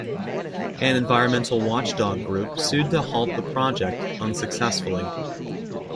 An environmental watchdog group sued to halt the project, unsuccessfully.